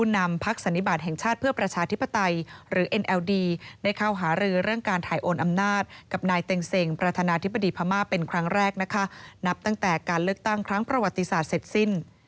นับพักตั้งแต่การเลือกตั้งครั้งประวัติศาสตร์เสร็จสิ้น